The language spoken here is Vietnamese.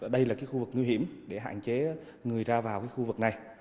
đây là cái khu vực nguy hiểm để hạn chế người ra vào cái khu vực này